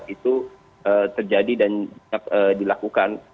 itu terjadi dan dilakukan